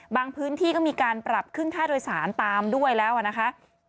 พื้นที่ก็มีการปรับขึ้นค่าโดยสารตามด้วยแล้วนะคะ